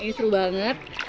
wah ini seru banget